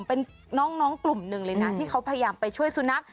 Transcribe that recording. เป็นน้องกลุ่มหนึ่งเลยนะที่เขาพยายามไปช่วยสุนัข